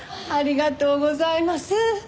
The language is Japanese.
ありがとうございます。